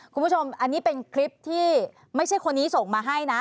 คุณผู้ชมอันนี้เป็นคลิปที่ไม่ใช่คนนี้ส่งมาให้นะ